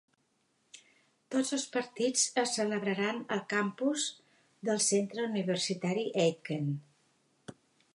Tots els partits es celebraran al campus del Centre Universitari Aitken.